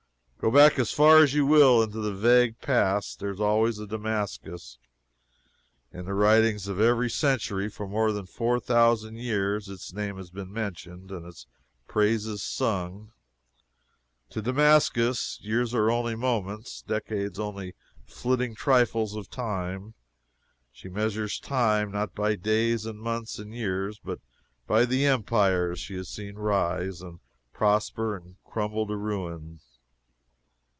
Go back as far as you will into the vague past, there was always a Damascus. In the writings of every century for more than four thousand years, its name has been mentioned and its praises sung. To Damascus, years are only moments, decades are only flitting trifles of time. She measures time, not by days and months and years, but by the empires she has seen rise, and prosper and crumble to ruin.